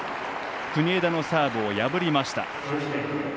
国枝のサーブを破りました。